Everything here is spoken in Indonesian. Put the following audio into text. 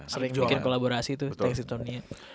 sering bikin kolaborasi tuh tanks insomnia